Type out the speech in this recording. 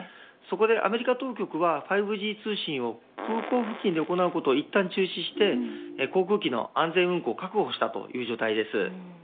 そこでアメリカ当局は５Ｇ通信を空港付近で行うことをいったん中止して航空機の安全運航を確保したという状態です。